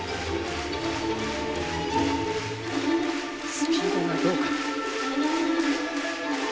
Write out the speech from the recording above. スピードがどうか。